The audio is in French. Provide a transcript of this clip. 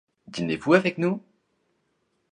Dînez-vous avec nous ?